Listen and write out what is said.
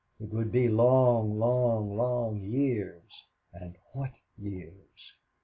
It would be long, long, long years and what years!